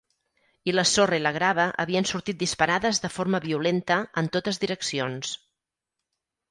I la sorra i la grava havien sortit disparades de forma violenta en totes direccions.